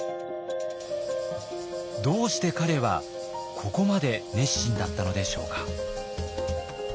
どうして彼はここまで熱心だったのでしょうか？